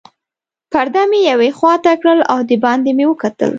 پرده مې یوې خواته کړل او دباندې مې وکتل.